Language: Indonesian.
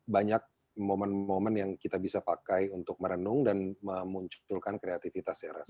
banyak momen momen yang kita bisa pakai untuk merenung dan memunculkan kreativitas ya rasanya